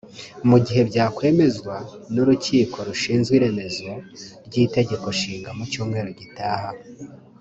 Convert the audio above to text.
Mu gihe byakwemezwa n’urukiko rushinzwe iremezo ry’itegeko nshinga mu cyumweru gitaha